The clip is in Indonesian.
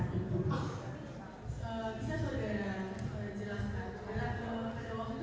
bisa bersamai dengan keluarga